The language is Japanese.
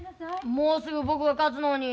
もうすぐ僕が勝つのに。